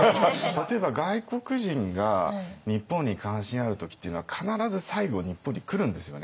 例えば外国人が日本に関心ある時っていうのは必ず最後日本に来るんですよね。